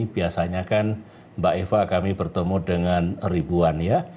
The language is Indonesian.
biasanya kan mbak eva kami bertemu dengan ribuan ya